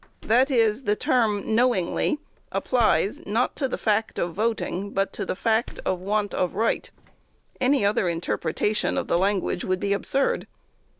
That is, the term "knowingly," applies, not to the fact of voting, but to the fact of want of right. Any other interpretation of the language would be absurd.